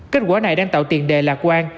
kết quả này đang tạo tiền đề lạc quan